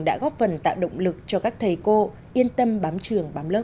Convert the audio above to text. đã góp phần tạo động lực cho các thầy cô yên tâm bám trường bám lớp